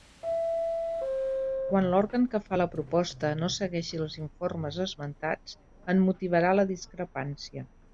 Quan l'òrgan que fa la proposta no segueixi els informes esmentats en motivarà la discrepància.